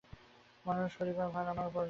মানুষ করিবার ভার আমার উপর রহিল।